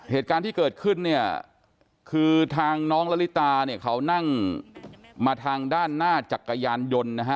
เหตุการณ์ที่เกิดขึ้นคือทางน้องละลิตาเขานั่งมาทางด้านหน้าจากกยานยนต์